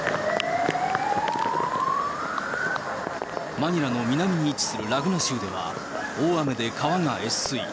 マニラの南に位置するラグナ州では、大雨で川が越水。